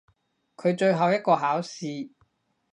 佢最後一個考試！